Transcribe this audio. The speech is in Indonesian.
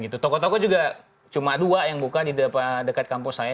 toko toko juga cuma dua yang buka di dekat kampus saya